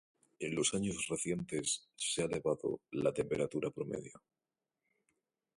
En los años recientes se ha elevado la temperatura promedio.